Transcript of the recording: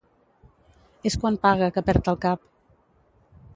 És quan paga que perd el cap.